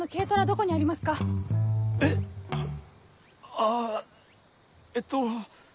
あぁえっと。